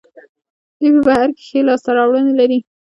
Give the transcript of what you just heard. دوی په بهر کې ښې لاسته راوړنې لري.